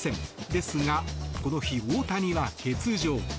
ですがこの日、大谷は欠場。